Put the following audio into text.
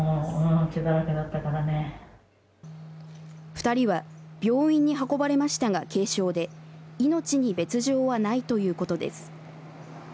２人は病院に運ばれましたが軽傷で、命に別状はないということです。